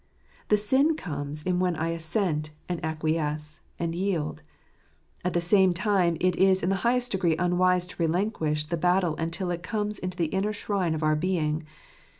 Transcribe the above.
The sin comes in when I assent, and acquiesce, and yield. At the same time, it is in the highest degree unwise to relinquish the battle until it comes into the inner shrine of our being.